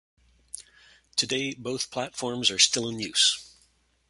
Today both platforms are still in use.